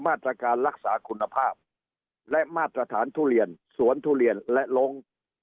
มาตรการรักษาคุณภาพและมาตรฐานทุเรียนสวนทุเรียนและลง